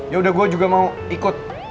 yaudah gue juga mau ikut